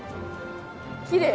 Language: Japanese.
きれい。